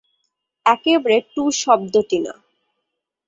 একেবারে টুঁ শব্দটি না।